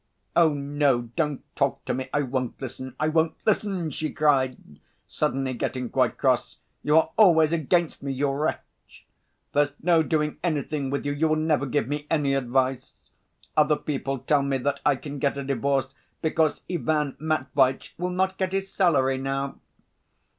"Oh, no, don't talk to me, I won't listen, I won't listen," she cried, suddenly getting quite cross. "You are always against me, you wretch! There's no doing anything with you, you will never give me any advice! Other people tell me that I can get a divorce because Ivan Matveitch will not get his salary now."